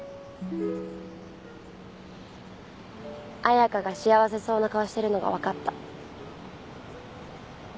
彩佳が幸せそうな顔してるのが分かった。